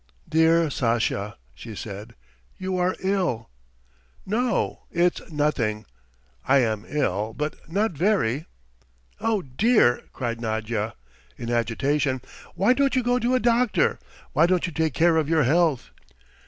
"Dear Sasha," she said, "you are ill." "No, it's nothing, I am ill, but not very ..." "Oh, dear!" cried Nadya, in agitation. "Why don't you go to a doctor? Why don't you take care of your health?